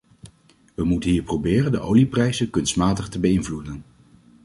We moeten niet proberen de olieprijzen kunstmatig te beïnvloeden.